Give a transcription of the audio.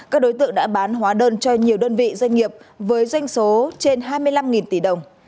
các đối tượng đã bán hóa đơn cho nhiều đơn vị doanh nghiệp với doanh số trên hai mươi năm tỷ đồng